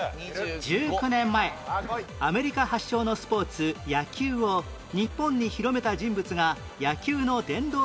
１９年前アメリカ発祥のスポーツ野球を日本に広めた人物が野球の殿堂入りをする事に